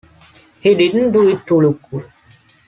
He didn't do it to look cool.